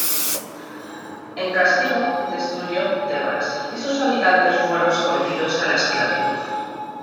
En castigo destruyó Tebas y sus habitantes fueron sometidos a la esclavitud.